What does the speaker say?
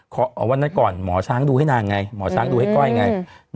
วันนั้นก่อนหมอช้างดูให้นางไงหมอช้างดูให้ก้อยไง